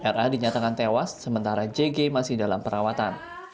ra dinyatakan tewas sementara jg masih dalam perawatan